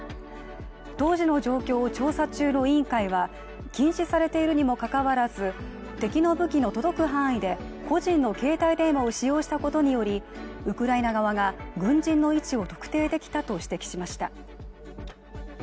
当時の状況を調査中の委員会は禁止されているにもかかわらず敵の武器の届く範囲で個人の携帯電話を使用したことによりウクライナ側が軍人の位置を特定できたと指摘しました。